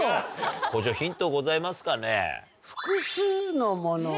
校長ヒントございますかね？